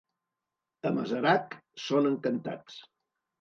A Masarac són encantats.